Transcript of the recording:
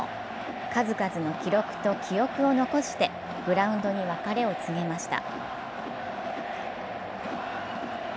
数々の記録と記憶を残してグラウンドに別れを告げました。